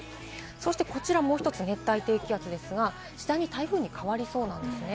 そしてこちらもう１つ、熱帯低気圧ですが、次第に台風に変わりそうなんですね。